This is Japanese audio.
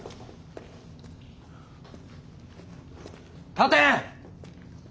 立て！